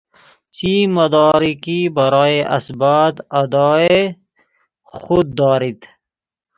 چه مدارکی برای اثبات ادعای خود دارید؟